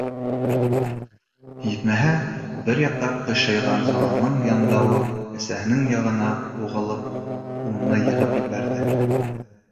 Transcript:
Етмәһә, бер яҡҡа ҡыйшайған сананың яндауы әсәһенең аяғына һуғылып, уны йығып ебәрҙе.